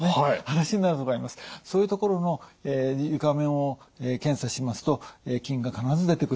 そういう所の床面を検査しますと菌が必ず出てくると。